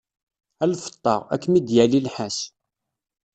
A lfeṭṭa, ad kem-id-yali nnḥas.